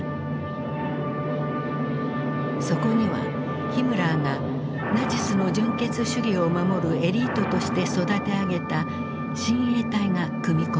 そこにはヒムラーがナチスの純血主義を守るエリートとして育て上げた親衛隊が組み込まれた。